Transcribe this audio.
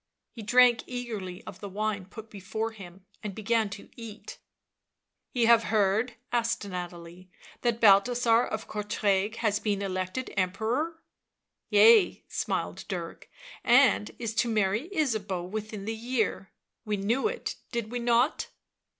He drank eagerly of the wine put before him, and begaii to eat. " Ye have heard," asked Nathalie, " that Balthasar of Courtrai has been elected Emperor V' " Yea," smiled Dirk, " and is to marry Ysabeau within the year; we knew it, did we not?"